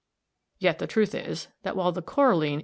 Yet the truth is, that while the coralline (1, Fig.